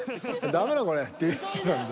ダメだこれ」って言ってたんで。